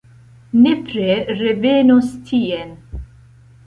Nepre revenos tien!